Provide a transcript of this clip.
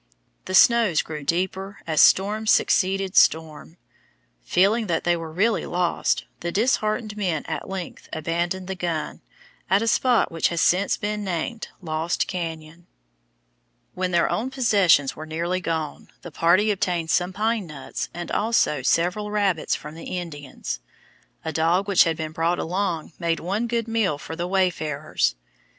The snows grew deeper as storm succeeded storm. Feeling that they were really lost, the disheartened men at length abandoned the gun, at a spot which has since been named Lost Cañon. [Illustration: FIG. 49. LOST CAÑON, EASTERN SLOPE OF THE SIERRA NEVADA MOUNTAINS] When their own provisions were nearly gone, the party obtained some pine nuts and also several rabbits from the Indians. A dog which had been brought along made one good meal for the wayfarers.